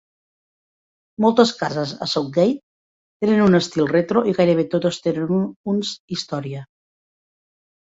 Moltes cases a Soutgate tenen un estil retro i gairebé totes tenen uns història.